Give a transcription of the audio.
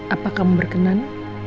apa kamu berkenan